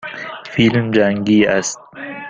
فیلم جنگی است.